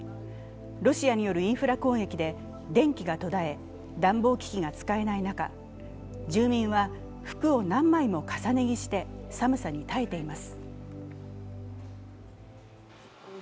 ロシアによるインフラ攻撃で電気が途絶え暖房機器が使えない中、住民は服を何枚も重ね着して寒さに耐えています。